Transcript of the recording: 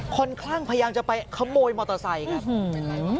คลั่งพยายามจะไปขโมยมอเตอร์ไซค์ครับ